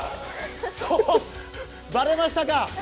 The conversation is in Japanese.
そう、バレましたか。